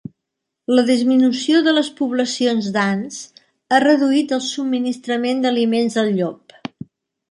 La disminució de les poblacions d'ants ha reduït el subministrament d'aliments del llop.